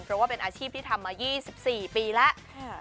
เพราะว่าเป็นอาชีพที่ทำมา๒๔ปีแล้ว